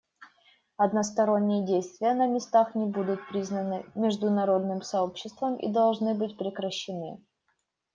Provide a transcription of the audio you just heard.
Односторонние действия на местах не будут признаны международным сообществом и должны быть прекращены.